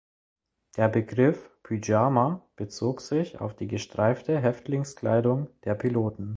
Der Begriff „Pyjama“ bezog sich auf die gestreifte Häftlingskleidung der Piloten.